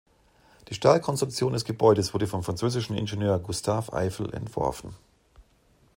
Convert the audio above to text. Die Stahlkonstruktion des Gebäudes wurde vom französischen Ingenieur Gustave Eiffel entworfen.